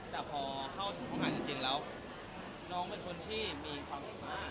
แต่พอเข้าถึงห้องขังจริงแล้วน้องเป็นคนที่มีความสุขมาก